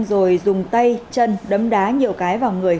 rồi dùng tay chân đấm đá nhiều cái vào người